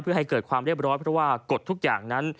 เพื่อให้เกิดความเรียบร้อยเพราะว่ากฎทุกอย่างนั้น